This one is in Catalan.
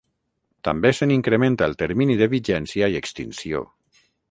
També se n’incrementa el termini de vigència i extinció.